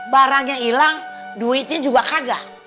barangnya ilang duitnya juga kagak